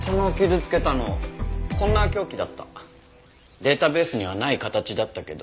データベースにはない形だったけど。